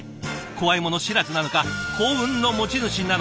怖いもの知らずなのか幸運の持ち主なのか。